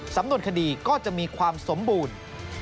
สำนวนคดีก็จะมีความสมบูรณ์